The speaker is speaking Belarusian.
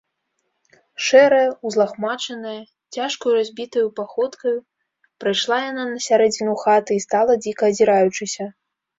Шэрая, узлахмачаная, цяжкаю, разбітаю паходкаю прайшла яна на сярэдзіну хаты і стала, дзіка азіраючыся.